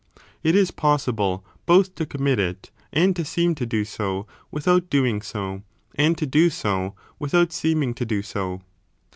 1 14 It is possible both to commit it, and to seem to do so with out doing so, and to do so without seeming to do so.